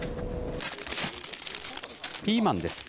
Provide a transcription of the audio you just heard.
ピーマンです。